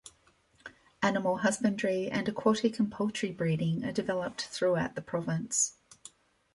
Animal husbandry, and aquatic and poultry breeding are developed throughout the province.